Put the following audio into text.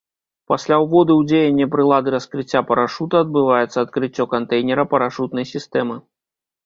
Пасля ўводу ў дзеянне прылады раскрыцця парашута, адбываецца адкрыццё кантэйнера парашутнай сістэмы.